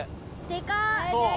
でかい！